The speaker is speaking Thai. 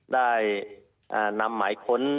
ได้นำหมายค้น